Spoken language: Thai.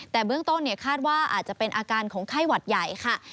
แต่เบื้องต้นคาดว่าอาจจะเป็นอาการของไข้หวัดใหญ่ค่ะ